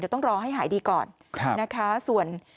เดี๋ยวต้องรอให้หายดีก่อน